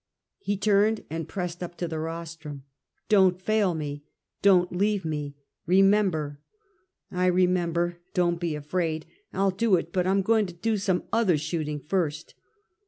He turned and pressed up to the rostrum. "Don't fail me! Don't leave me! Eemember!" " I remember ! Don't be afraid ! I'll do it ! But I'm going to do some other shooting first."